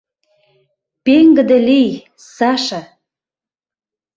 — Пеҥгыде лий, Саша!